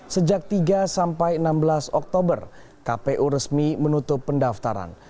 sejak tiga sampai enam belas oktober kpu resmi menutup pendaftaran